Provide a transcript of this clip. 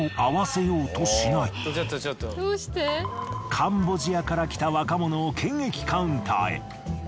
カンボジアから来た若者を検疫カウンターへ。